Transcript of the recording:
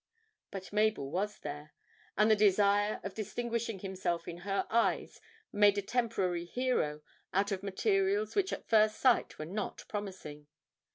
But Mabel was there, and the desire of distinguishing himself in her eyes made a temporary hero out of materials which at first sight were not promising.